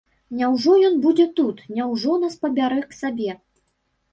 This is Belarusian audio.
Няўжо ён будзе тут, няўжо нас пабярэ к сабе?